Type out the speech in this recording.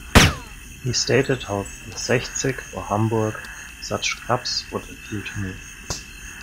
He stated how the Sechzig or Hamburg - such clubs would appeal to me.